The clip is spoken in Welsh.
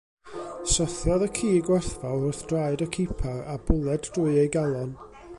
Syrthiodd y ci gwerthfawr wrth draed y cipar, a bwled drwy ei galon.